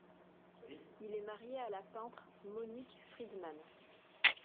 Il est marié à la peintre Monique Frydman.